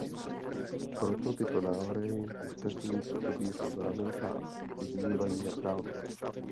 Proto tyto návrhy usnesení působí jako záminka a vyznívají naprázdno.